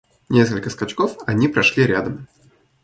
Несколько скачков они прошли рядом.